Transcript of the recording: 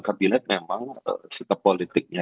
kabinet memang sikap politiknya